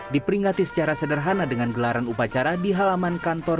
diperingati secara sederhana dengan gelaran upacara di halaman kantor